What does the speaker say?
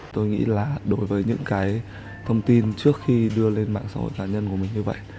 tôi nghĩ là đối với những cái thông tin trước khi đưa lên mạng xã hội cá nhân của mình như vậy